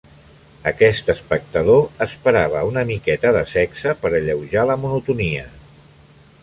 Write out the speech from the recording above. Aquest espectador esperava una miqueta de sexe per alleujar la monotonia.